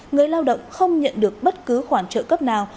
người lao động không nhận được bất cứ khoản trợ cấp nào